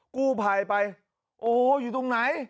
กู้ไพไปโอ้โหอยู่ตรงไหน